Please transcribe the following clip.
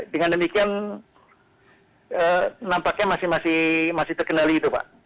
dengan demikian nampaknya masih terkendali itu pak